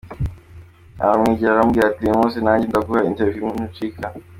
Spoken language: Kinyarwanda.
Aramwegera aramubwira ati" Uyu munsi nanjye ndaguha interview ntucika.